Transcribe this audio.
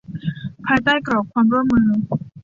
ภายใต้กรอบความร่วมมือ